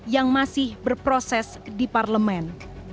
yang masih berproses di parlemen